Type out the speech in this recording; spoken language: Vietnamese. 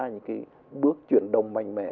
những bước chuyển đồng mạnh mẽ